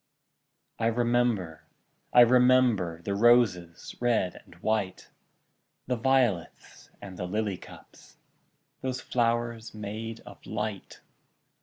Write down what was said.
I remember, I remember, The roses, red and white, The violets, and the lily cups, Those flowers made of light!